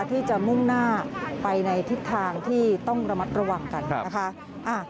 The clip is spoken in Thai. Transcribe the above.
ที่จะมุ่งหน้าไปในทิศทางที่ต้องระมัดระวังกันนะคะ